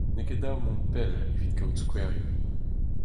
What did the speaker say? N'eo ket dav mont pell evit kaout skouerioù.